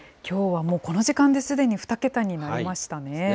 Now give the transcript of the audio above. きょうは、もうこの時間ですでに２桁になりましたね。